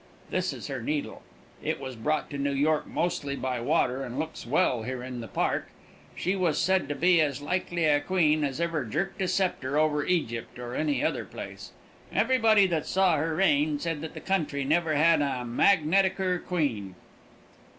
This is her needle. It was brought to New York mostly by water, and looks well here in the park. She was said to be as likely a queen as ever jerked a sceptre over Egypt or any other place. Everybody that saw her reign said that the country never had a magneticker queen."